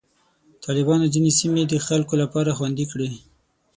طالبانو ځینې سیمې د خلکو لپاره خوندي کړې.